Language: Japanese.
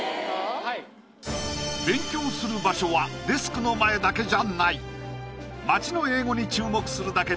はい勉強する場所はデスクの前だけじゃない！